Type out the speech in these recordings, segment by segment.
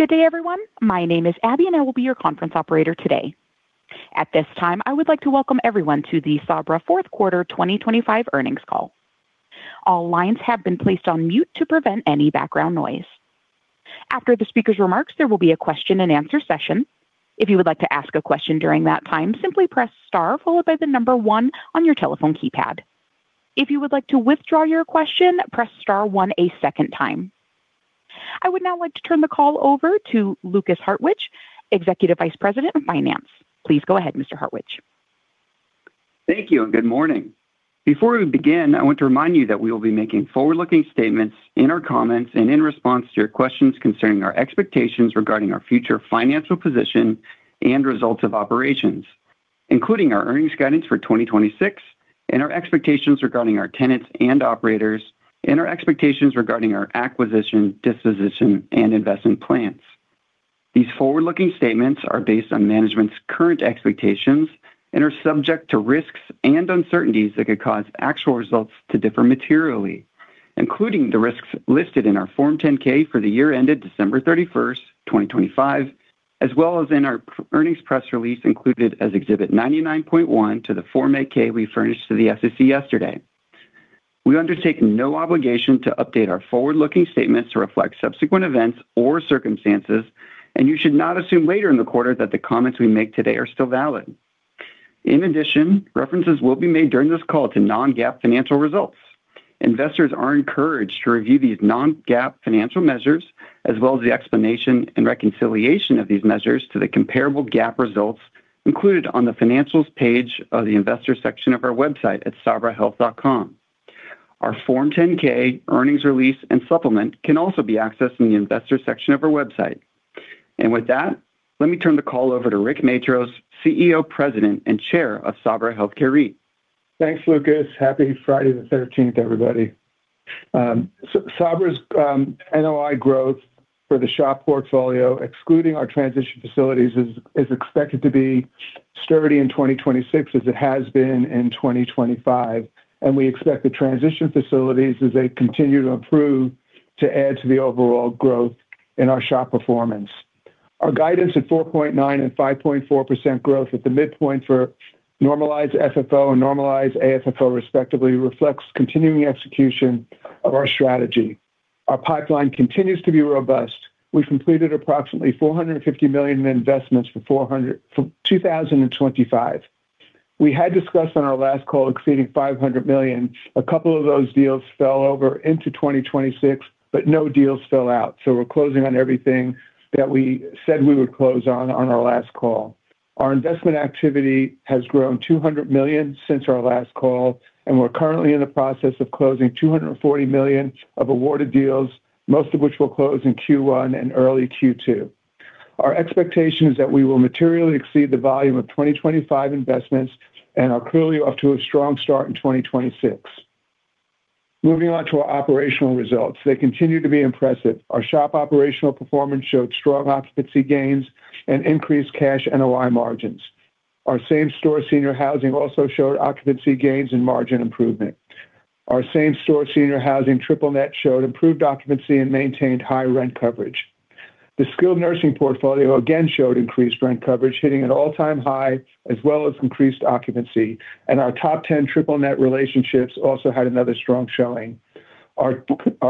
Good day, everyone. My name is Abby, and I will be your conference operator today. At this time, I would like to welcome everyone to the Sabra Fourth Quarter 2025 earnings call. All lines have been placed on mute to prevent any background noise. After the speaker's remarks, there will be a question-and-answer session. If you would like to ask a question during that time, simply press star followed by the number one on your telephone keypad. If you would like to withdraw your question, press star one a second time. I would now like to turn the call over to Lukas Hartwich, Executive Vice President of Finance. Please go ahead, Mr. Hartwich. Thank you, and good morning. Before we begin, I want to remind you that we will be making forward-looking statements in our comments and in response to your questions concerning our expectations regarding our future financial position and results of operations, including our earnings guidance for 2026 and our expectations regarding our tenants and operators, and our expectations regarding our acquisition, disposition, and investment plans. These forward-looking statements are based on management's current expectations and are subject to risks and uncertainties that could cause actual results to differ materially, including the risks listed in our Form 10-K for the year ended December 31, 2025, as well as in our earnings press release, included as Exhibit 99.1 to the Form 8-K we furnished to the SEC yesterday. We undertake no obligation to update our forward-looking statements to reflect subsequent events or circumstances, and you should not assume later in the quarter that the comments we make today are still valid. In addition, references will be made during this call to non-GAAP financial results. Investors are encouraged to review these non-GAAP financial measures, as well as the explanation and reconciliation of these measures to the comparable GAAP results included on the Financials page of the Investor section of our website at sabrahealth.com. Our Form 10-K, earnings release, and supplement can also be accessed in the Investor section of our website. With that, let me turn the call over to Rick Matros, CEO, President, and Chair of Sabra Health Care REIT. Thanks, Lukas. Happy Friday the thirteenth, everybody. Sabra's NOI growth for the SHOP portfolio, excluding our transition facilities, is expected to be sturdy in 2026, as it has been in 2025, and we expect the transition facilities, as they continue to improve, to add to the overall growth in our SHOP performance. Our guidance at 4.9%-5.4% growth at the midpoint for normalized FFO and normalized AFFO, respectively, reflects continuing execution of our strategy. Our pipeline continues to be robust. We completed approximately $450 million in investments for 2025. We had discussed on our last call exceeding $500 million. A couple of those deals fell over into 2026, but no deals fell out, so we're closing on everything that we said we would close on, on our last call. Our investment activity has grown $200 million since our last call, and we're currently in the process of closing $240 million of awarded deals, most of which will close in Q1 and early Q2. Our expectation is that we will materially exceed the volume of 2025 investments and are clearly off to a strong start in 2026. Moving on to our operational results. They continue to be impressive. Our SHOP operational performance showed strong occupancy gains and increased Cash NOI margins. Our same-store senior housing also showed occupancy gains and margin improvement. Our same-store senior housing triple-net showed improved occupancy and maintained high rent coverage. The skilled nursing portfolio again showed increased rent coverage, hitting an all-time high, as well as increased occupancy, and our top 10 triple-net relationships also had another strong showing. Our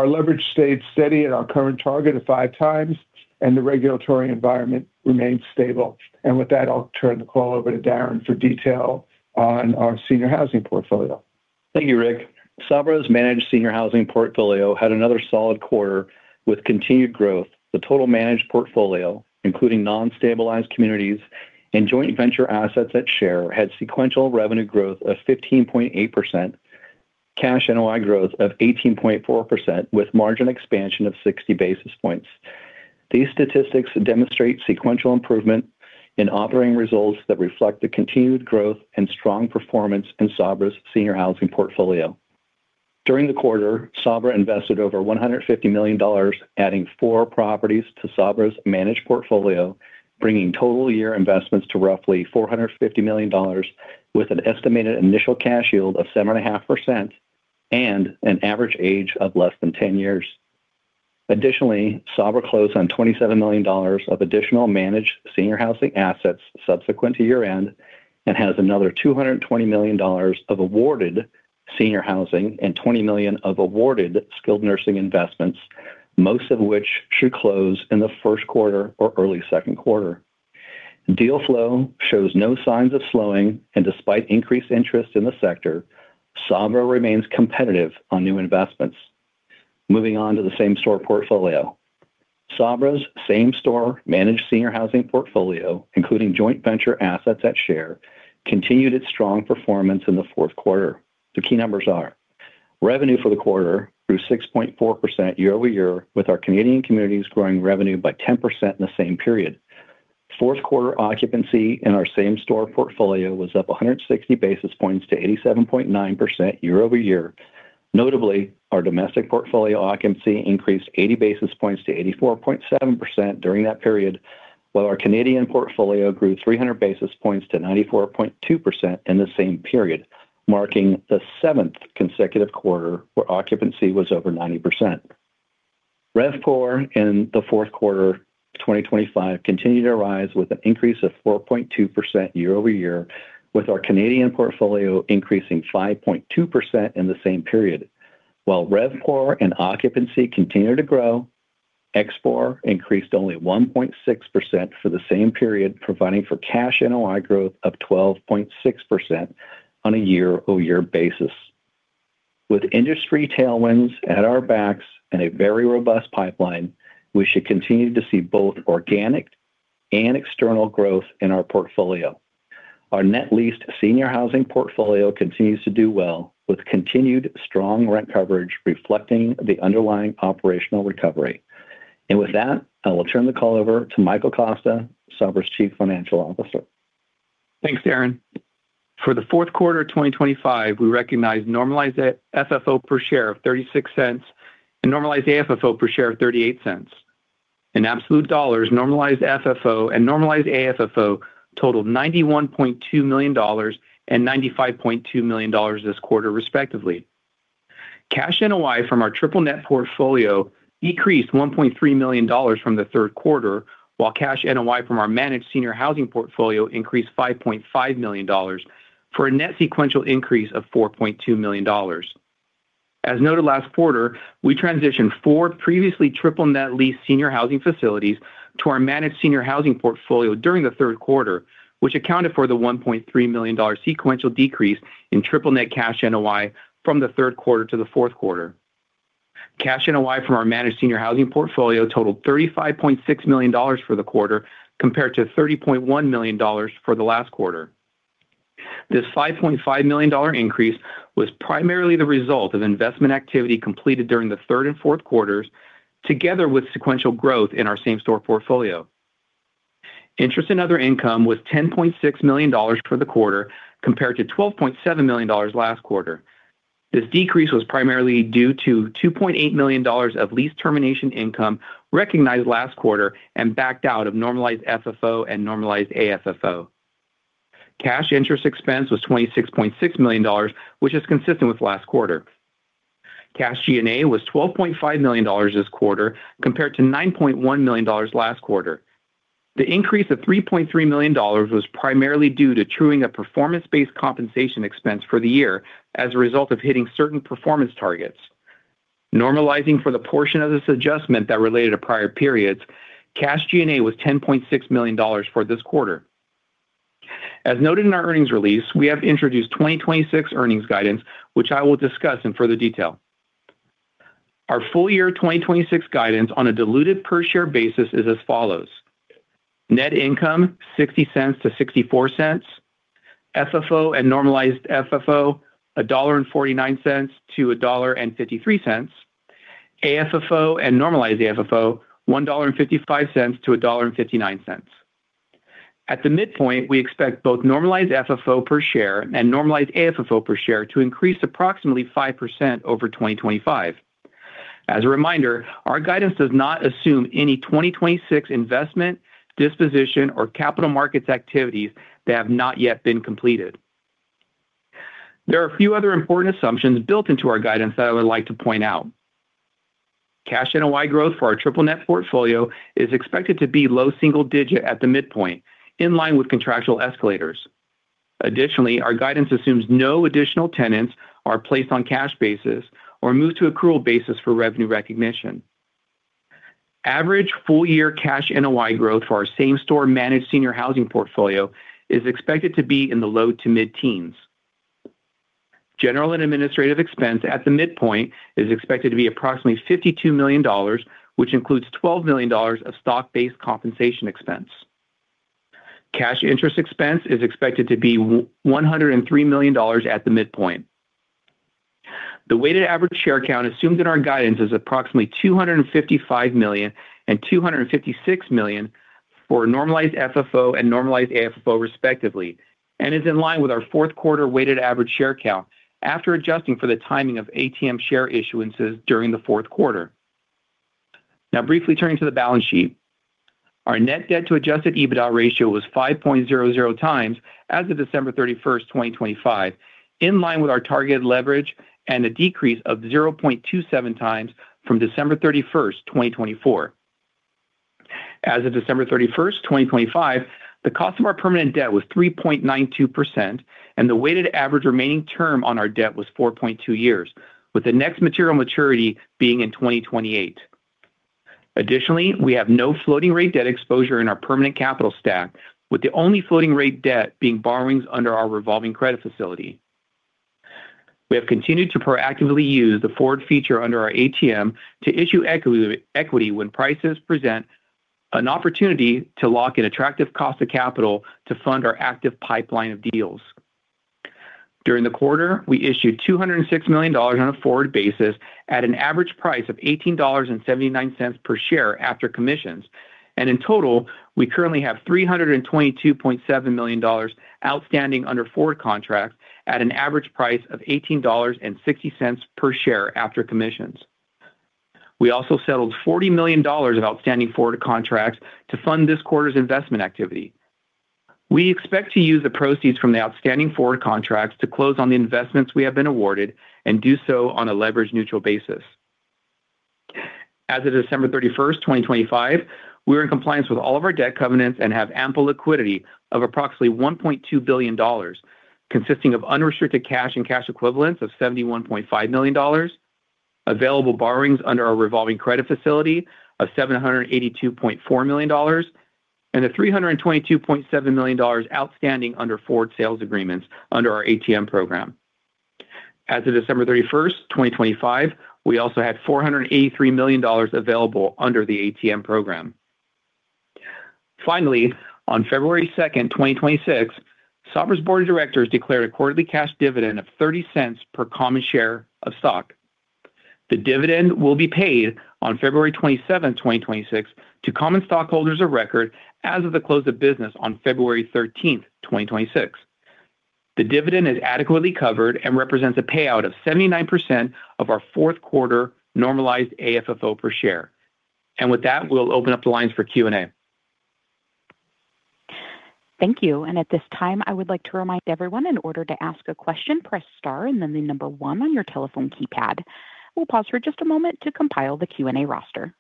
leverage stayed steady at our current target of five times, and the regulatory environment remained stable. With that, I'll turn the call over to Darrin for detail on our senior housing portfolio. Thank you, Rick. Sabra's managed senior housing portfolio had another solid quarter with continued growth. The total managed portfolio, including non-stabilized communities and joint venture assets at share, had sequential revenue growth of 15.8%, cash NOI growth of 18.4%, with margin expansion of 60 basis points. These statistics demonstrate sequential improvement in operating results that reflect the continued growth and strong performance in Sabra's senior housing portfolio. During the quarter, Sabra invested over $150 million, adding four properties to Sabra's managed portfolio, bringing total year investments to roughly $450 million, with an estimated initial cash yield of 7.5% and an average age of less than 10 years. Additionally, Sabra closed on $27 million of additional managed senior housing assets subsequent to year-end and has another $220 million of awarded senior housing and $20 million of awarded skilled nursing investments, most of which should close in the first quarter or early second quarter. Deal flow shows no signs of slowing, and despite increased interest in the sector, Sabra remains competitive on new investments. Moving on to the same-store portfolio. Sabra's same-store managed senior housing portfolio, including joint venture assets at share, continued its strong performance in the fourth quarter. The key numbers are: revenue for the quarter grew 6.4% year-over-year, with our Canadian communities growing revenue by 10% in the same period. Fourth quarter occupancy in our same-store portfolio was up 160 basis points to 87.9% year-over-year. Notably, our domestic portfolio occupancy increased 80 basis points to 84.7% during that period, while our Canadian portfolio grew 300 basis points to 94.2% in the same period, marking the seventh consecutive quarter where occupancy was over 90%. RevPOR in the fourth quarter of 2025 continued to rise with an increase of 4.2% year over year, with our Canadian portfolio increasing 5.2% in the same period. While RevPOR and occupancy continued to grow, ExPOR increased only 1.6% for the same period, providing for cash NOI growth of 12.6% on a year-over-year basis. With industry tailwinds at our backs and a very robust pipeline, we should continue to see both organic and external growth in our portfolio. Our net leased senior housing portfolio continues to do well, with continued strong rent coverage reflecting the underlying operational recovery. With that, I will turn the call over to Michael Costa, Sabra's Chief Financial Officer. Thanks, Darrin. For the fourth quarter of 2025, we recognized normalized FFO per share of $0.36 and normalized AFFO per share of $0.38. In absolute dollars, normalized FFO and normalized AFFO totaled $91.2 million and $95.2 million this quarter, respectively. Cash NOI from our triple-net portfolio decreased $1.3 million from the third quarter, while cash NOI from our managed senior housing portfolio increased $5.5 million, for a net sequential increase of $4.2 million. As noted last quarter, we transitioned four previously triple-net leased senior housing facilities to our managed senior housing portfolio during the third quarter, which accounted for the $1.3 million sequential decrease in triple-net cash NOI from the third quarter to the fourth quarter. Cash NOI from our managed senior housing portfolio totaled $35.6 million for the quarter, compared to $30.1 million for the last quarter. This $5.5 million increase was primarily the result of investment activity completed during the third and fourth quarters, together with sequential growth in our same-store portfolio. Interest and other income was $10.6 million for the quarter, compared to $12.7 million last quarter. This decrease was primarily due to $2.8 million of lease termination income recognized last quarter and backed out of normalized FFO and normalized AFFO. Cash interest expense was $26.6 million, which is consistent with last quarter. Cash G&A was $12.5 million this quarter, compared to $9.1 million last quarter. The increase of $3.3 million was primarily due to truing a performance-based compensation expense for the year as a result of hitting certain performance targets. Normalizing for the portion of this adjustment that related to prior periods, cash G&A was $10.6 million for this quarter. As noted in our earnings release, we have introduced 2026 earnings guidance, which I will discuss in further detail. Our full year 2026 guidance on a diluted per share basis is as follows: Net income, $0.60-$0.64. FFO and normalized FFO, $1.49-$1.53. AFFO and normalized AFFO, $1.55-$1.59. At the midpoint, we expect both normalized FFO per share and normalized AFFO per share to increase approximately 5% over 2025. As a reminder, our guidance does not assume any 2026 investment, disposition, or capital markets activities that have not yet been completed. There are a few other important assumptions built into our guidance that I would like to point out. Cash NOI growth for our triple-net portfolio is expected to be low single-digit at the midpoint, in line with contractual escalators. Additionally, our guidance assumes no additional tenants are placed on cash basis or moved to accrual basis for revenue recognition. Average full-year cash NOI growth for our same-store managed senior housing portfolio is expected to be in the low-to-mid-teens. General and administrative expense at the midpoint is expected to be approximately $52 million, which includes $12 million of stock-based compensation expense. Cash interest expense is expected to be one hundred and three million dollars at the midpoint. The weighted average share count assumed in our guidance is approximately 255 million and 256 million for normalized FFO and normalized AFFO, respectively, and is in line with our fourth quarter weighted average share count after adjusting for the timing of ATM share issuances during the fourth quarter. Now, briefly turning to the balance sheet. Our net debt to adjusted EBITDA ratio was 5.00 times as of December 31, 2025, in line with our targeted leverage and a decrease of 0.27 times from December 31, 2024. As of December 31, 2025, the cost of our permanent debt was 3.92%, and the weighted average remaining term on our debt was 4.2 years, with the next material maturity being in 2028. Additionally, we have no floating rate debt exposure in our permanent capital stack, with the only floating rate debt being borrowings under our revolving credit facility. We have continued to proactively use the forward feature under our ATM to issue equity, equity when prices present an opportunity to lock in attractive cost of capital to fund our active pipeline of deals. During the quarter, we issued $206 million on a forward basis at an average price of $18.79 per share after commissions, and in total, we currently have $322.7 million outstanding under forward contracts at an average price of $18.60 per share after commissions.... We also settled $40 million of outstanding forward contracts to fund this quarter's investment activity. We expect to use the proceeds from the outstanding forward contracts to close on the investments we have been awarded and do so on a leverage neutral basis. As of December 31, 2025, we're in compliance with all of our debt covenants and have ample liquidity of approximately $1.2 billion, consisting of unrestricted cash and cash equivalents of $71.5 million, available borrowings under our revolving credit facility of $782.4 million, and the $322.7 million outstanding under forward sales agreements under our ATM program. As of December 31, 2025, we also had $483 million available under the ATM program. Finally, on February 2, 2026, Sabra's Board of Directors declared a quarterly cash dividend of $0.30 per common share of stock. The dividend will be paid on February 27, 2026, to common stockholders of record as of the close of business on February 13, 2026. The dividend is adequately covered and represents a payout of 79% of our fourth quarter normalized AFFO per share. With that, we'll open up the lines for Q&A. Thank you. At this time, I would like to remind everyone, in order to ask a question, press star and then one on your telephone keypad. We'll pause for just a moment to compile the Q&A roster.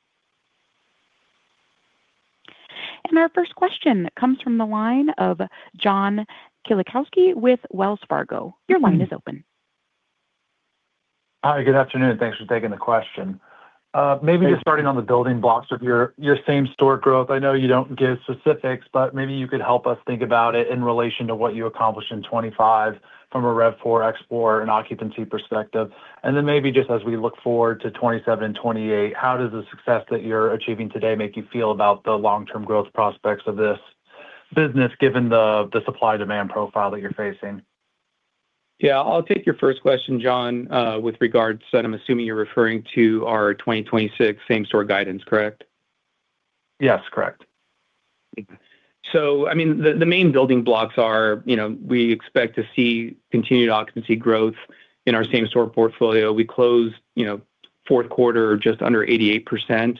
Our first question comes from the line of John Kilichowski with Wells Fargo. Your line is open. Hi, good afternoon. Thanks for taking the question. Maybe just starting on the building blocks of your, your same store growth. I know you don't give specifics, but maybe you could help us think about it in relation to what you accomplished in 2025 from a RevPOR, ExPOR and occupancy perspective. And then maybe just as we look forward to 2027 and 2028, how does the success that you're achieving today make you feel about the long-term growth prospects of this business, given the, the supply/demand profile that you're facing? Yeah. I'll take your first question, John. With regards to that, I'm assuming you're referring to our 2026 same store guidance, correct? Yes, correct. So, I mean, the main building blocks are, you know, we expect to see continued occupancy growth in our same store portfolio. We closed, you know, fourth quarter, just under 88%,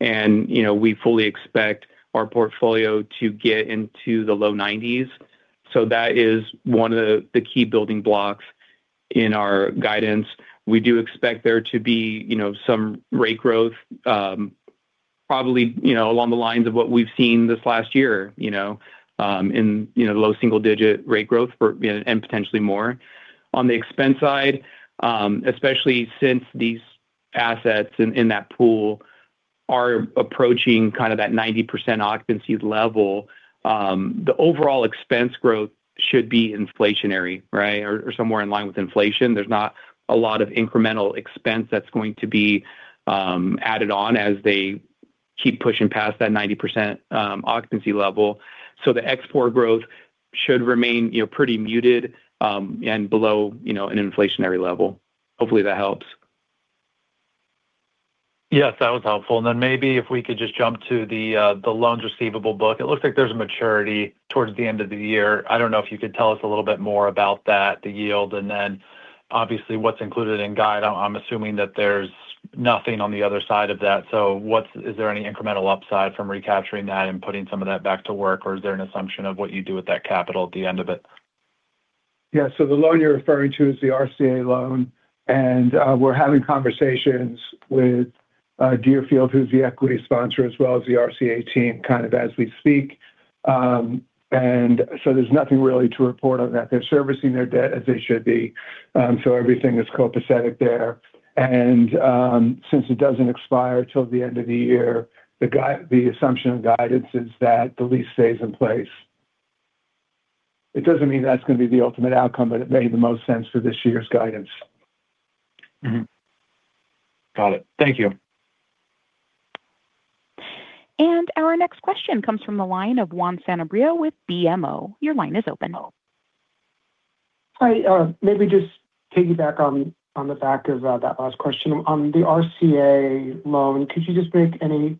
and, you know, we fully expect our portfolio to get into the low 90s. So that is one of the key building blocks in our guidance. We do expect there to be, you know, some rate growth, probably, you know, along the lines of what we've seen this last year, you know, low single digit rate growth for, you know, and potentially more. On the expense side, especially since these assets in that pool are approaching kind of that 90% occupancy level, the overall expense growth should be inflationary, right? Or somewhere in line with inflation. There's not a lot of incremental expense that's going to be added on as they keep pushing past that 90% occupancy level. So the ExPOR growth should remain, you know, pretty muted, and below, you know, an inflationary level. Hopefully, that helps. Yes, that was helpful. And then maybe if we could just jump to the, the loans receivable book. It looks like there's a maturity towards the end of the year. I don't know if you could tell us a little bit more about that, the yield, and then obviously, what's included in guide. I'm assuming that there's nothing on the other side of that. So what's-- Is there any incremental upside from recapturing that and putting some of that back to work? Or is there an assumption of what you do with that capital at the end of it? Yeah. So the loan you're referring to is the RCA loan, and we're having conversations with Deerfield, who's the equity sponsor, as well as the RCA team, kind of, as we speak. And so there's nothing really to report on that. They're servicing their debt as they should be, so everything is copacetic there. And since it doesn't expire till the end of the year, the assumption of guidance is that the lease stays in place. It doesn't mean that's going to be the ultimate outcome, but it made the most sense for this year's guidance. Mm-hmm. Got it. Thank you. Our next question comes from the line of Juan Sanabria with BMO. Your line is open. Hi. Maybe just piggyback on the back of that last question. On the RCA loan, could you just make any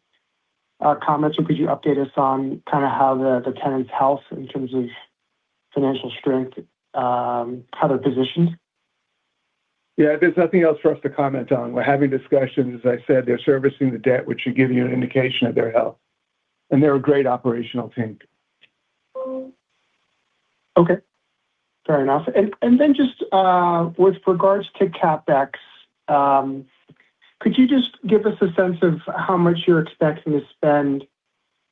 comments or could you update us on kind of how the tenant's health in terms of financial strength, how they're positioned? Yeah. There's nothing else for us to comment on. We're having discussions. As I said, they're servicing the debt, which should give you an indication of their health, and they're a great operational team. Okay, fair enough. And then just with regards to CapEx, could you just give us a sense of how much you're expecting to spend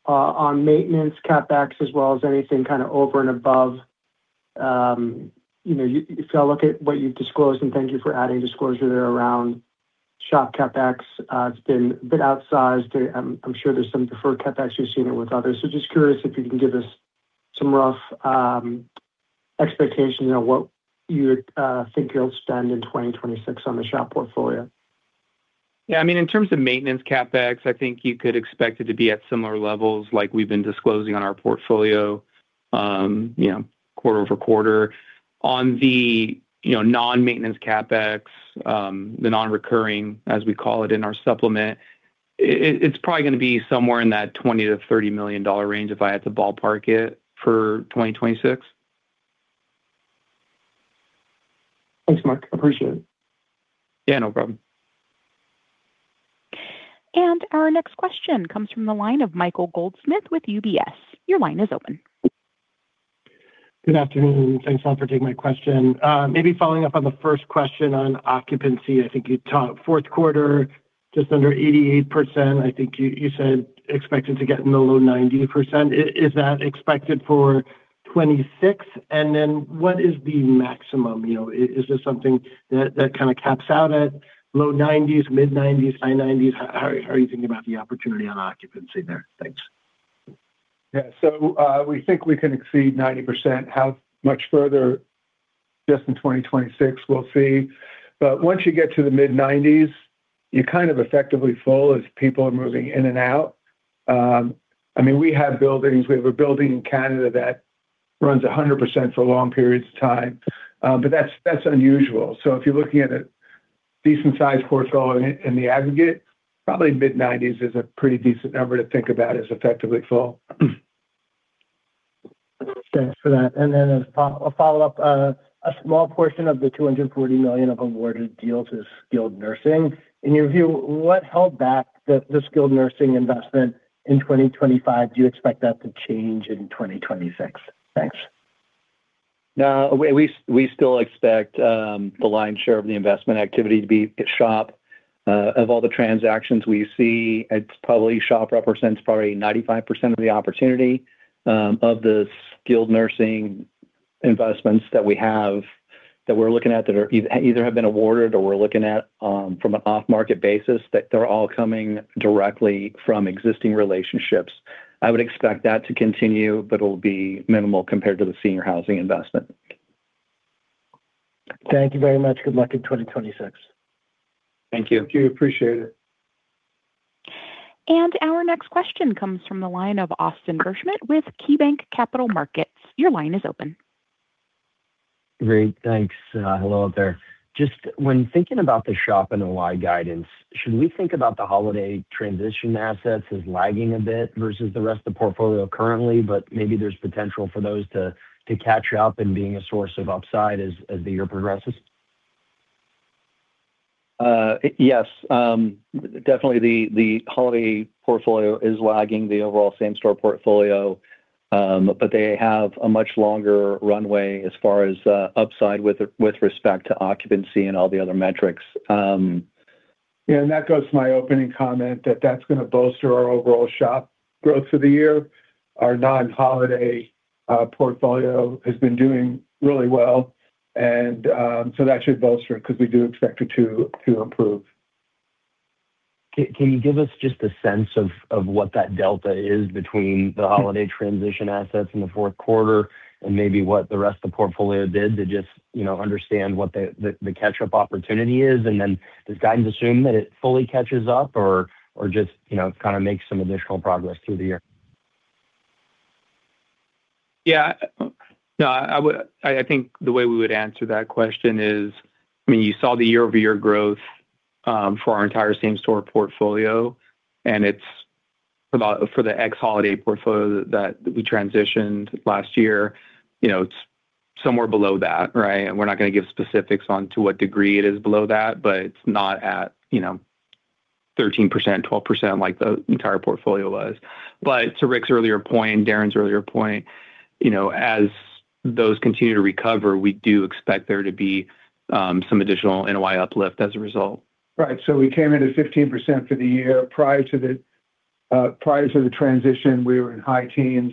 on maintenance CapEx as well as anything kind of over and above? You know, if I look at what you've disclosed, and thank you for adding disclosure there around SHOP CapEx, it's been a bit outsized. I'm, I'm sure there's some preferred CapEx you've seen it with others. So just curious if you can give us some rough expectation of what you think you'll spend in 2026 on the SHOP portfolio. Yeah, I mean, in terms of maintenance CapEx, I think you could expect it to be at similar levels like we've been disclosing on our portfolio, you know, quarter-over-quarter. On the, you know, non-maintenance CapEx, the non-recurring, as we call it in our supplement, it's probably gonna be somewhere in that $20 million-$30 million range, if I had to ballpark it for 2026.... Thanks, Mike. I appreciate it. Yeah, no problem. Our next question comes from the line of Michael Goldsmith with UBS. Your line is open. Good afternoon. Thanks a lot for taking my question. Maybe following up on the first question on occupancy, I think you talked fourth quarter, just under 88%. I think you said expected to get in the low 90%. Is that expected for 2026? And then what is the maximum? You know, is this something that kind of caps out at low 90s, mid-90s, high 90s? How are you thinking about the opportunity on occupancy there? Thanks. Yeah. So, we think we can exceed 90%. How much further just in 2026, we'll see. But once you get to the mid-90s, you're kind of effectively full as people are moving in and out. I mean, we have buildings. We have a building in Canada that runs 100% for long periods of time, but that's, that's unusual. So if you're looking at a decent sized portfolio in the aggregate, probably mid-90s is a pretty decent number to think about as effectively full. Thanks for that. Then, as a follow-up, a small portion of the $240 million of awarded deals is skilled nursing. In your view, what held back the skilled nursing investment in 2025? Do you expect that to change in 2026? Thanks. We still expect the lion's share of the investment activity to be at SHOP. Of all the transactions we see, it's probably SHOP represents probably 95% of the opportunity, of the skilled nursing investments that we have, that we're looking at, that are either have been awarded or we're looking at, from an off-market basis, that they're all coming directly from existing relationships. I would expect that to continue, but it'll be minimal compared to the senior housing investment. Thank you very much. Good luck in 2026. Thank you. Thank you. Appreciate it. Our next question comes from the line of Austin Wurschmidt with KeyBanc Capital Markets. Your line is open. Great. Thanks. Hello out there. Just when thinking about the SHOP and the Y guidance, should we think about the Holiday transition assets as lagging a bit versus the rest of the portfolio currently, but maybe there's potential for those to catch up and being a source of upside as the year progresses? Yes. Definitely the Holiday portfolio is lagging the overall same-store portfolio, but they have a much longer runway as far as upside with respect to occupancy and all the other metrics. Yeah, and that goes to my opening comment, that that's gonna bolster our overall SHOP growth for the year. Our non-holiday portfolio has been doing really well, and so that should bolster it because we do expect it to improve. Can you give us just a sense of what that delta is between the Holiday transition assets in the fourth quarter and maybe what the rest of the portfolio did to just, you know, understand what the catch-up opportunity is? And then does guidance assume that it fully catches up or just, you know, kind of makes some additional progress through the year? Yeah. No, I would, I, I think the way we would answer that question is, I mean, you saw the year-over-year growth for our entire same-store portfolio, and it's about... For the ex-Holiday portfolio that we transitioned last year, you know, it's somewhere below that, right? And we're not gonna give specifics on to what degree it is below that, but it's not at, you know, 13%, 12%, like the entire portfolio was. But to Rick's earlier point and Darrin's earlier point, you know, as those continue to recover, we do expect there to be some additional NOI uplift as a result. Right. So we came in at 15% for the year. Prior to the transition, we were in high teens,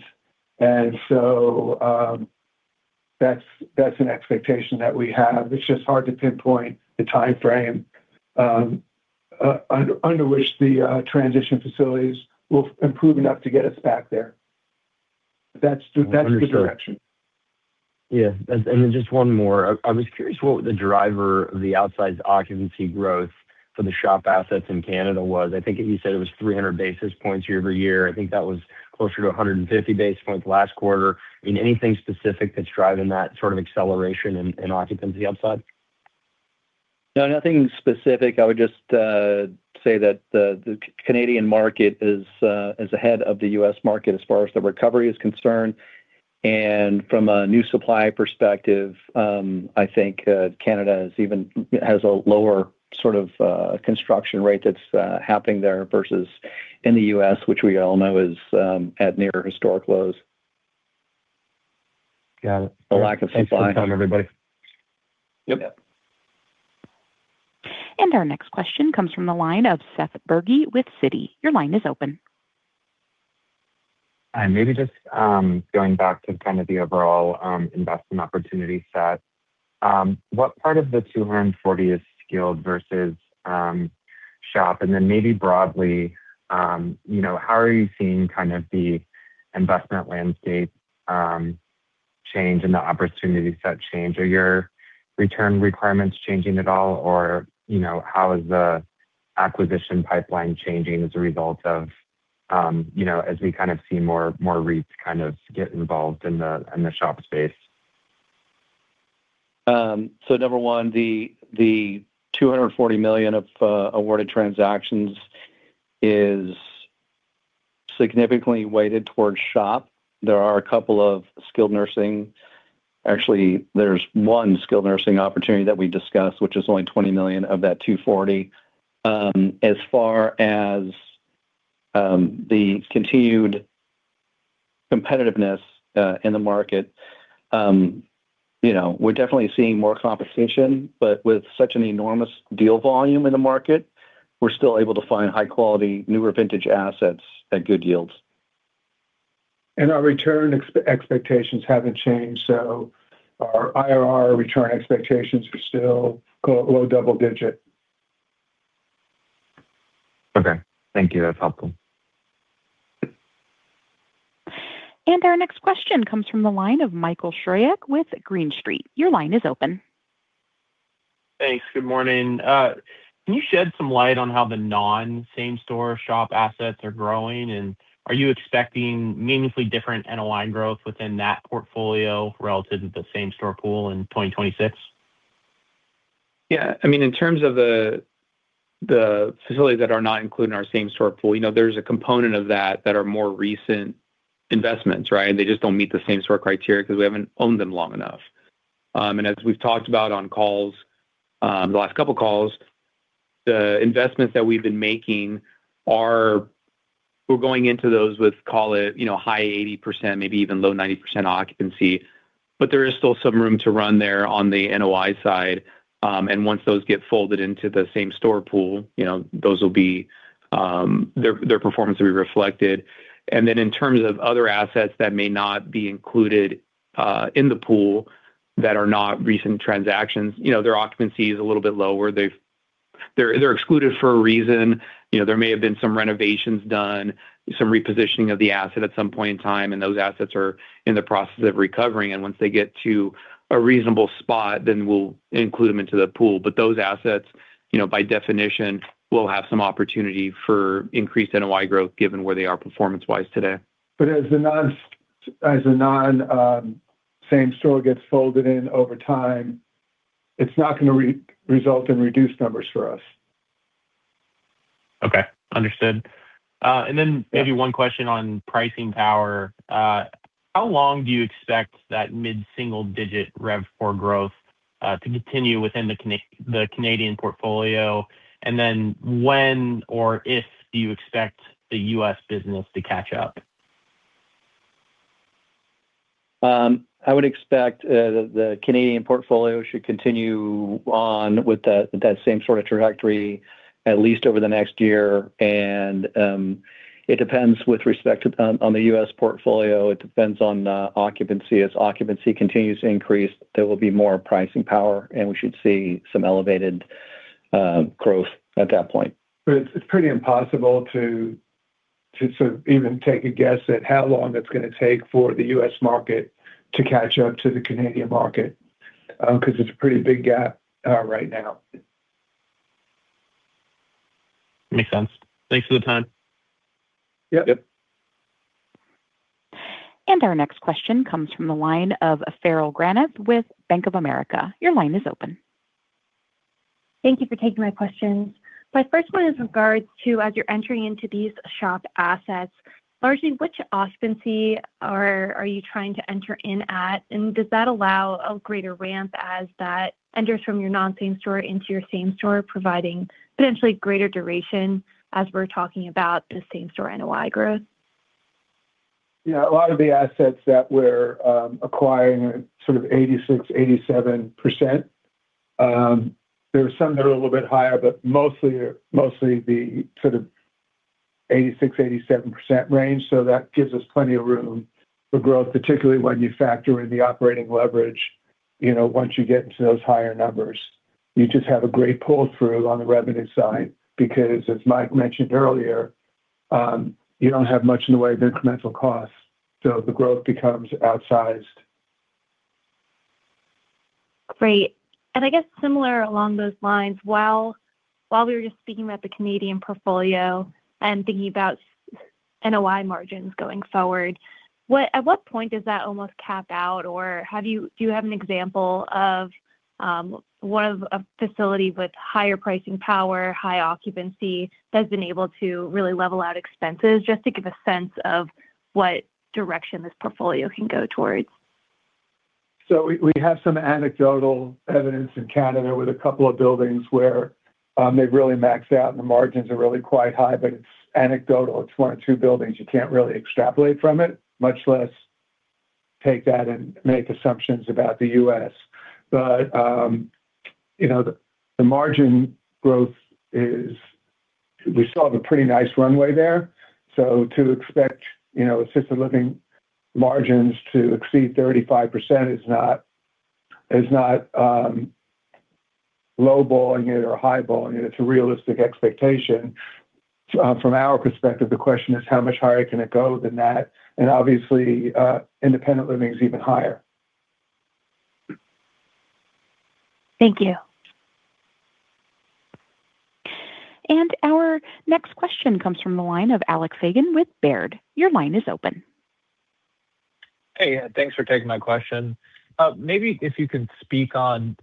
and so that's an expectation that we have. It's just hard to pinpoint the time frame under which the transition facilities will improve enough to get us back there. That's the. Understood.... That's the direction. Yeah. Then just one more. I was curious what the driver of the outsized occupancy growth for the SHOP assets in Canada was. I think you said it was 300 basis points year-over-year. I think that was closer to 150 basis points last quarter. I mean, anything specific that's driving that sort of acceleration in occupancy upside? No, nothing specific. I would just say that the Canadian market is ahead of the U.S. market as far as the recovery is concerned. And from a new supply perspective, I think Canada even has a lower sort of construction rate that's happening there versus in the U.S., which we all know is at near historic lows. Got it. A lack of supply. Thanks for your time, everybody. Yep. Our next question comes from the line of Seth Bergey with Citi. Your line is open. Hi, maybe just going back to kind of the overall investment opportunity set, what part of the 240 is skilled versus SHOP? And then maybe broadly, you know, how are you seeing kind of the investment landscape change and the opportunity set change? Are your return requirements changing at all, or, you know, how is the acquisition pipeline changing as a result of, you know, as we kind of see more REITs kind of get involved in the SHOP space? So number one, the $240 million of awarded transactions is significantly weighted towards SHOP. There are a couple of skilled nursing. Actually, there's one skilled nursing opportunity that we discussed, which is only $20 million of that $240 million. As far as the continued competitiveness in the market, you know, we're definitely seeing more competition, but with such an enormous deal volume in the market, we're still able to find high quality, newer vintage assets at good yields. Our return expectations haven't changed, so our IRR return expectations are still low double-digit. Okay, thank you. That's helpful. Our next question comes from the line of Michael Stroyeck with Green Street. Your line is open. Thanks. Good morning. Can you shed some light on how the non-same store SHOP assets are growing? And are you expecting meaningfully different NOI growth within that portfolio relative to the same store pool in 2026? Yeah. I mean, in terms of the facilities that are not included in our same store pool, you know, there's a component of that that are more recent investments, right? They just don't meet the same store criteria because we haven't owned them long enough. And as we've talked about on calls, the last couple of calls, the investments that we've been making are. We're going into those with, call it, you know, high 80%, maybe even low 90% occupancy. But there is still some room to run there on the NOI side. And once those get folded into the same store pool, you know, those will be, their performance will be reflected. And then in terms of other assets that may not be included in the pool that are not recent transactions, you know, their occupancy is a little bit lower. They're excluded for a reason. You know, there may have been some renovations done, some repositioning of the asset at some point in time, and those assets are in the process of recovering, and once they get to a reasonable spot, then we'll include them into the pool. But those assets, you know, by definition, will have some opportunity for increased NOI growth, given where they are performance-wise today. But as the non same store gets folded in over time, it's not going to result in reduced numbers for us. Okay, understood. And then maybe one question on pricing power. How long do you expect that mid-single-digit RevPOR growth to continue within the Canadian portfolio? And then when or if do you expect the U.S. business to catch up? I would expect the Canadian portfolio should continue on with that same sort of trajectory at least over the next year. It depends with respect to on the U.S. portfolio, it depends on occupancy. As occupancy continues to increase, there will be more pricing power, and we should see some elevated growth at that point. But it's pretty impossible to sort of even take a guess at how long it's going to take for the U.S. market to catch up to the Canadian market, because it's a pretty big gap right now. Makes sense. Thanks for the time. Yep. Yep. Our next question comes from the line of Farrell Granath with Bank of America. Your line is open. Thank you for taking my questions. My first one is regards to, as you're entering into these SHOP assets, largely, which occupancy are you trying to enter in at? And does that allow a greater ramp as that enters from your non-same store into your same store, providing potentially greater duration as we're talking about the same store NOI growth? Yeah. A lot of the assets that we're acquiring are sort of 86%-87%. There are some that are a little bit higher, but mostly, mostly the sort of 86%-87% range. So that gives us plenty of room for growth, particularly when you factor in the operating leverage, you know, once you get into those higher numbers. You just have a great pull-through on the revenue side, because as Mike mentioned earlier, you don't have much in the way of incremental costs, so the growth becomes outsized. Great. And I guess similar along those lines, while we were just speaking about the Canadian portfolio and thinking about NOI margins going forward, what, at what point does that almost cap out? Or have you, do you have an example of one of a facility with higher pricing power, high occupancy, that's been able to really level out expenses, just to give a sense of what direction this portfolio can go towards? So we have some anecdotal evidence in Canada with a couple of buildings where they've really maxed out and the margins are really quite high, but it's anecdotal. It's one or two buildings. You can't really extrapolate from it, much less take that and make assumptions about the U.S. But you know, the margin growth is... We still have a pretty nice runway there, so to expect, you know, assisted living margins to exceed 35% is not lowballing it or highballing it. It's a realistic expectation. From our perspective, the question is, how much higher can it go than that? And obviously, independent living is even higher. Thank you. Our next question comes from the line of Alex Fagan with Baird. Your line is open. ... Hey, thanks for taking my question. Maybe if you can speak on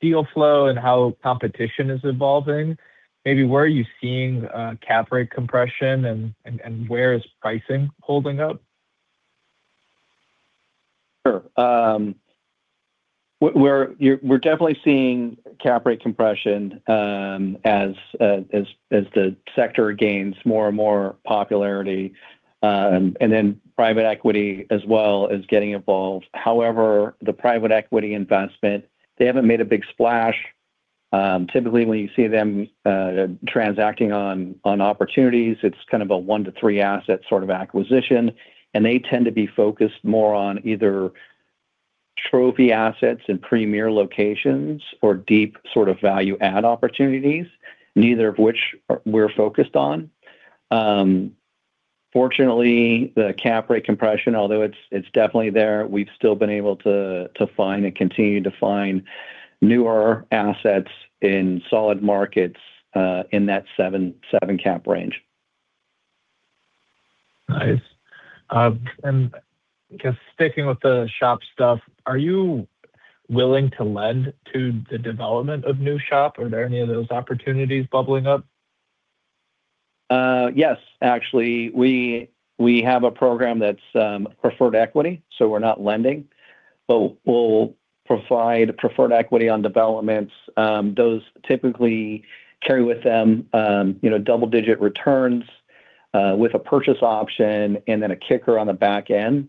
deal flow and how competition is evolving, maybe where are you seeing cap rate compression and where is pricing holding up? Sure. We're definitely seeing cap rate compression as the sector gains more and more popularity, and then private equity as well is getting involved. However, the private equity investment, they haven't made a big splash. Typically, when you see them transacting on opportunities, it's kind of a one to three asset sort of acquisition, and they tend to be focused more on either trophy assets in premier locations or deep sort of value add opportunities, neither of which we're focused on. Fortunately, the cap rate compression, although it's definitely there, we've still been able to find and continue to find newer assets in solid markets in that seven- seven cap range. Nice. And just sticking with the SHOP stuff, are you willing to lend to the development of new SHOP? Are there any of those opportunities bubbling up? Yes, actually, we have a program that's preferred equity, so we're not lending, but we'll provide preferred equity on developments. Those typically carry with them, you know, double-digit returns, with a purchase option and then a kicker on the back end.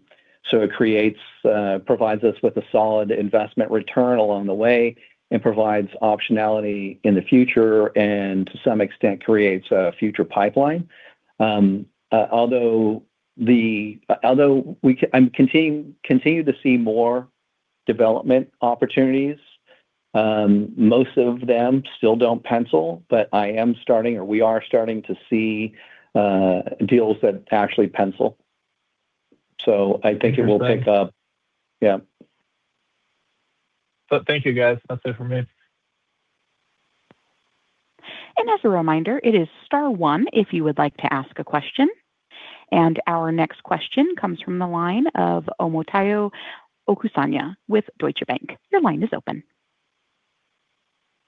So it creates, provides us with a solid investment return along the way and provides optionality in the future, and to some extent, creates a future pipeline. Although we continue to see more development opportunities, most of them still don't pencil, but I am starting, or we are starting to see, deals that actually pencil. So I think it will pick up. Yeah. Thank you, guys. That's it for me. As a reminder, it is star one if you would like to ask a question, and our next question comes from the line of Omotayo Okusanya with Deutsche Bank. Your line is open.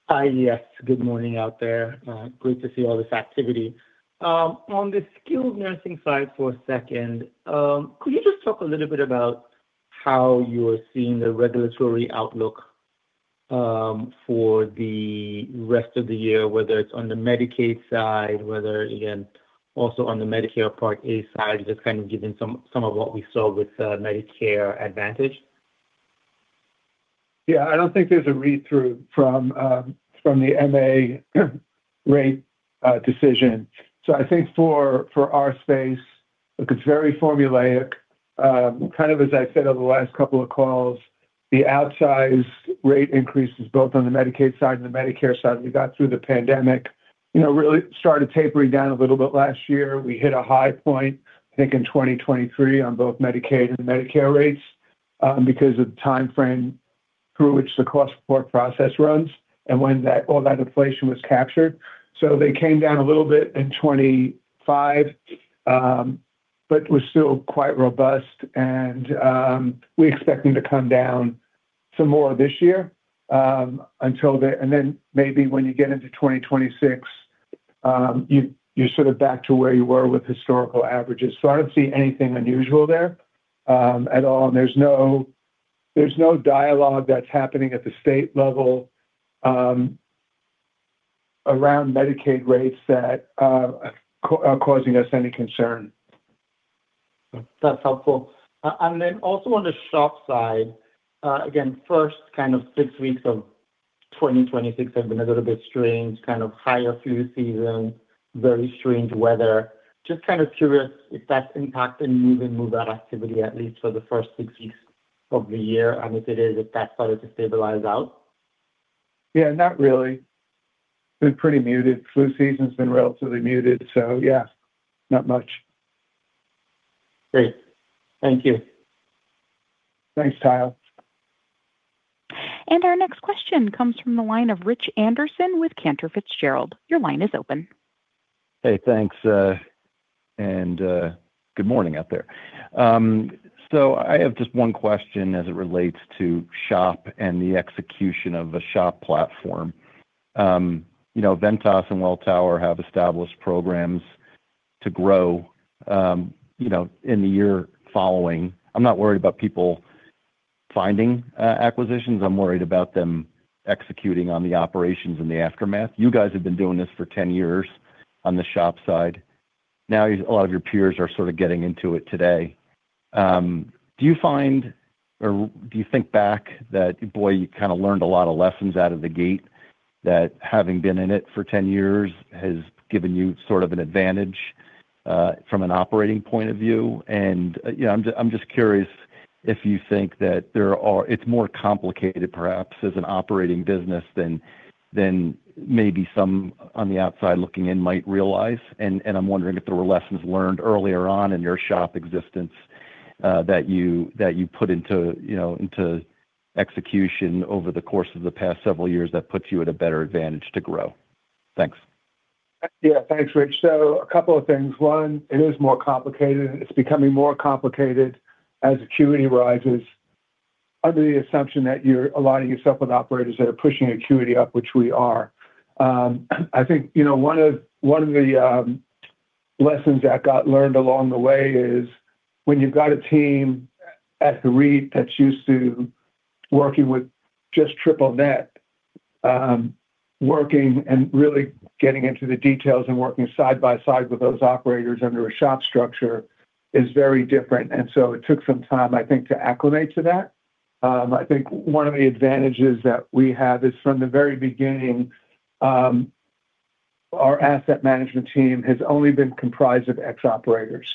Hi, yes, good morning out there. Great to see all this activity. On the skilled nursing side for a second, could you just talk a little bit about how you are seeing the regulatory outlook, for the rest of the year, whether it's on the Medicaid side, whether, again, also on the Medicare Part A side, just kind of given some, some of what we saw with, Medicare Advantage? Yeah, I don't think there's a read-through from, from the MA rate, decision. So I think for, for our space, look, it's very formulaic. Kind of as I said on the last couple of calls, the outsized rate increases both on the Medicaid side and the Medicare side, as we got through the pandemic, you know, really started tapering down a little bit last year. We hit a high point, I think, in 2023 on both Medicaid and Medicare rates, because of the timeframe through which the cost support process runs and when that, all that inflation was captured. So they came down a little bit in 2025, but was still quite robust, and we expect them to come down some more this year, until then. And then maybe when you get into 2026, you, you're sort of back to where you were with historical averages. So I don't see anything unusual there, at all, and there's no, there's no dialogue that's happening at the state level, around Medicaid rates that are causing us any concern. That's helpful. And then also on the SHOP side, again, first kind of six weeks of 2026 have been a little bit strange, kind of higher flu season, very strange weather. Just kind of curious if that's impacting move-in, move-out activity, at least for the first six weeks of the year, and if it is, if that started to stabilize out? Yeah, not really. It's been pretty muted. Flu season's been relatively muted, so yeah, not much. Great. Thank you. Thanks, Tayo. Our next question comes from the line of Rich Anderson with Cantor Fitzgerald. Your line is open. Hey, thanks, and good morning out there. So I have just one question as it relates to SHOP and the execution of a SHOP platform. You know, Ventas and Welltower have established programs to grow, you know, in the year following. I'm not worried about people finding acquisitions. I'm worried about them executing on the operations in the aftermath. You guys have been doing this for 10 years on the SHOP side. Now, a lot of your peers are sort of getting into it today. Do you find, or do you think back that, boy, you kind of learned a lot of lessons out of the gate, that having been in it for 10 years has given you sort of an advantage, from an operating point of view? You know, I'm just curious if you think it's more complicated, perhaps, as an operating business than maybe some on the outside looking in might realize. I'm wondering if there were lessons learned earlier on in your SHOP existence that you put into, you know, into execution over the course of the past several years that puts you at a better advantage to grow. Thanks.... Yeah, thanks, Rich. So a couple of things. One, it is more complicated, and it's becoming more complicated as acuity rises under the assumption that you're aligning yourself with operators that are pushing acuity up, which we are. I think, you know, one of the lessons that got learned along the way is when you've got a team at the REIT that's used to working with just triple-net, working and really getting into the details and working side by side with those operators under a SHOP structure is very different. And so it took some time, I think, to acclimate to that. I think one of the advantages that we have is, from the very beginning, our asset management team has only been comprised of ex-operators.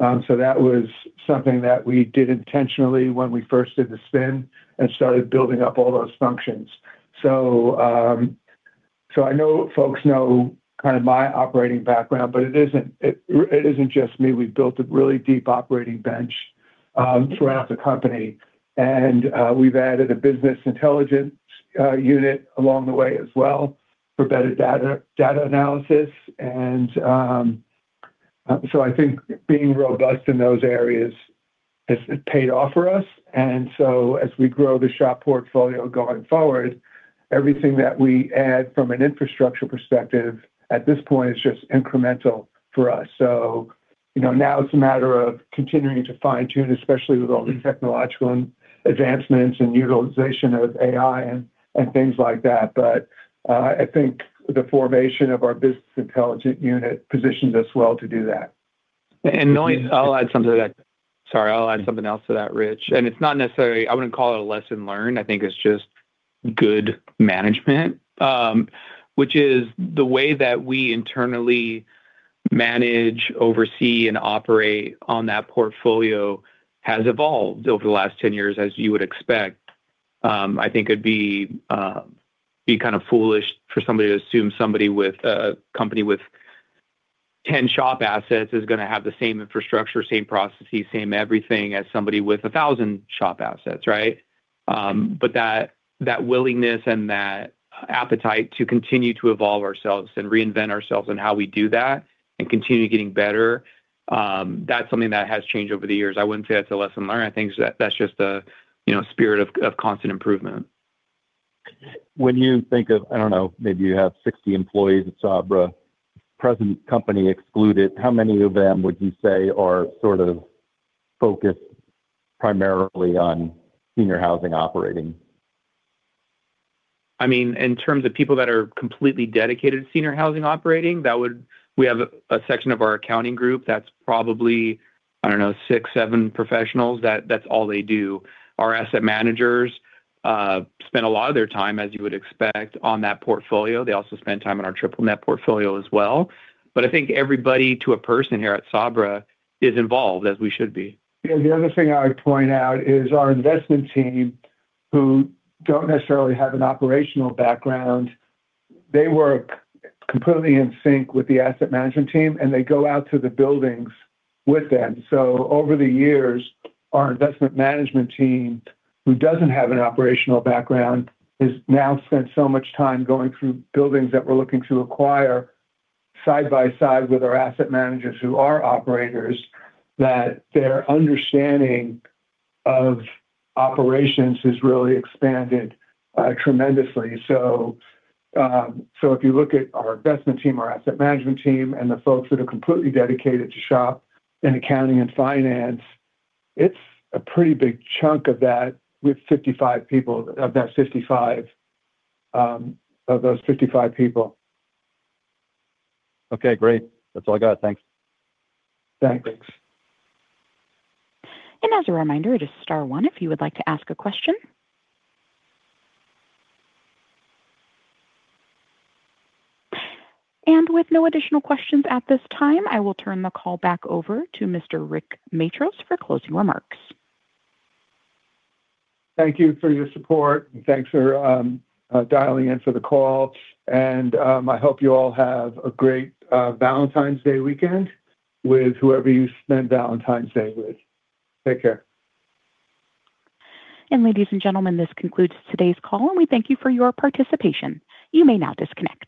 So that was something that we did intentionally when we first did the spin and started building up all those functions. So, I know folks know kind of my operating background, but it isn't just me. We've built a really deep operating bench throughout the company, and we've added a business intelligence unit along the way as well for better data analysis. And so I think being robust in those areas has paid off for us. And so as we grow the shop portfolio going forward, everything that we add from an infrastructure perspective at this point is just incremental for us. So, you know, now it's a matter of continuing to fine-tune, especially with all the technological and advancements and utilization of AI and things like that. I think the formation of our business intelligence unit positions us well to do that. I'll add something to that. Sorry, I'll add something else to that, Rich. It's not necessarily—I wouldn't call it a lesson learned. I think it's just good management, which is the way that we internally manage, oversee, and operate on that portfolio has evolved over the last 10 years, as you would expect. I think it'd be kind of foolish for somebody to assume a company with 10 SHOP assets is gonna have the same infrastructure, same processes, same everything as somebody with 1,000 SHOP assets, right? But that willingness and that appetite to continue to evolve ourselves and reinvent ourselves in how we do that and continue getting better, that's something that has changed over the years. I wouldn't say that's a lesson learned. I think that that's just a, you know, spirit of constant improvement. When you think of... I don't know, maybe you have 60 employees at Sabra. Present company excluded, how many of them would you say are sort of focused primarily on senior housing operating? I mean, in terms of people that are completely dedicated to senior housing operating, that would—we have a section of our accounting group that's probably, I don't know, six, seven professionals. That's all they do. Our asset managers spend a lot of their time, as you would expect, on that portfolio. They also spend time on our triple-net portfolio as well. But I think everybody, to a person here at Sabra, is involved, as we should be. Yeah. The other thing I would point out is our investment team, who don't necessarily have an operational background, they work completely in sync with the asset management team, and they go out to the buildings with them. So over the years, our investment management team, who doesn't have an operational background, has now spent so much time going through buildings that we're looking to acquire side by side with our asset managers, who are operators, that their understanding of operations has really expanded tremendously. So, so if you look at our investment team, our asset management team, and the folks that are completely dedicated to SHOP and accounting and finance, it's a pretty big chunk of that with 55 people, of that 55, of those 55 people. Okay, great. That's all I got. Thanks. Thanks. Thanks. As a reminder, just star one if you would like to ask a question. With no additional questions at this time, I will turn the call back over to Mr. Rick Matros for closing remarks. Thank you for your support, and thanks for dialing in for the call. I hope you all have a great Valentine's Day weekend with whoever you spend Valentine's Day with. Take care. Ladies and gentlemen, this concludes today's call, and we thank you for your participation. You may now disconnect.